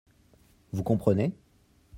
Vous comprenez ?